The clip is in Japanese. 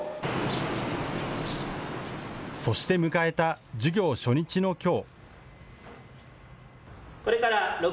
そして迎えた授業初日のきょう。